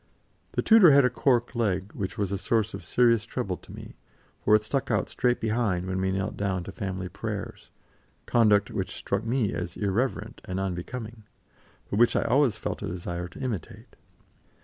The tutor had a cork leg, which was a source of serious trouble to me, for it stuck out straight behind when we knelt down to family prayers conduct which struck me as irreverent and unbecoming, but which I always felt a desire to imitate.